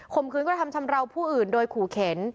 คืนกระทำชำราวผู้อื่นโดยขู่เข็น